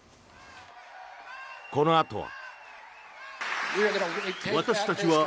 このあとは。